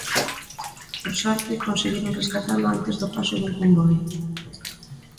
Por sorte, conseguiron rescatalo antes do paso dun convoi.